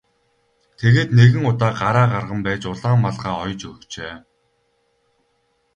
Тэгээд нэгэн удаа гараа гарган байж улаан малгай оёж өгчээ.